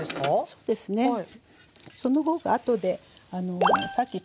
そうですねはい。